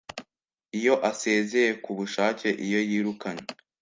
iyo asezeye ku bushake iyo yirukanywe